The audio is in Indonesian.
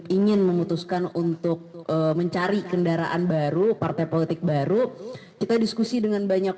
ingin memutuskan untuk mencari kendaraan baru partai politik baru kita diskusi dengan banyak